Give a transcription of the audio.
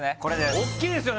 おっきいですよね